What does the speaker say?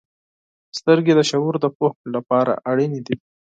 • سترګې د شعور د پوهې لپاره اړینې دي.